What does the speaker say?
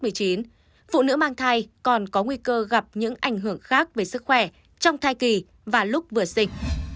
phụ nữ mang thai còn có nguy cơ gặp những ảnh hưởng khác về sức khỏe trong thai kỳ và lúc vừa sinh